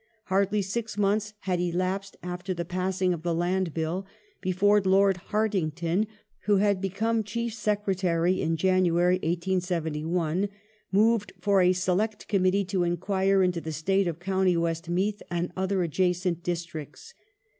Hardly six The months had elapsed after the passing of the Land Act before "^^^^^ I^rd Hai*tington, who had become Chief Secretary in January, Act, 1871,^ moved for a Select Committee to enquire into the state of ^^7^ County Westmeath and other adjacent districts.